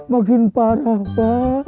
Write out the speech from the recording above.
makin parah pa